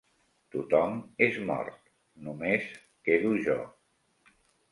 Tothom és mort, només quedo jo.